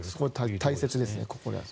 大切ですね。